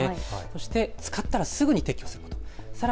そして使ったらすぐに撤去する。